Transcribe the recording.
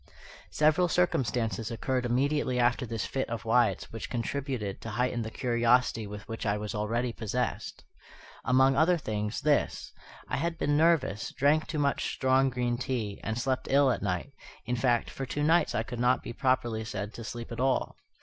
Several circumstances occurred immediately after this fit of Wyatt's which contributed to heighten the curiosity with which I was already possessed. Among other things, this: I had been nervous; drank too much strong green tea, and slept ill at night, in fact, for two nights I could not be properly said to sleep at all.